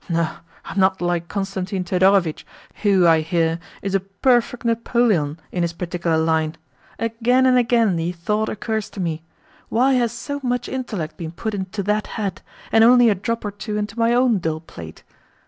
No, I am not like Constantine Thedorovitch, who, I hear, is a perfect Napoleon in his particular line. Again and again the thought occurs to me, 'Why has so much intellect been put into that head, and only a drop or two into my own dull pate?